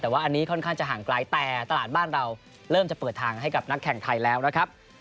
แต่ว่าอันนี้ค่อนข้างจะห่างไกลแต่ตลาดบ้านเราเริ่มจะเปิดทางให้กับนักแข่งไทยแล้วนะครับ